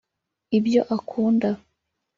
ibyo akunda